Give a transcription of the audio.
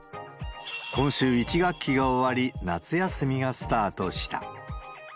今週、１学期が終わり、夏休みがスタートした。